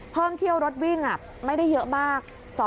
เที่ยวรถวิ่งไม่ได้เยอะมาก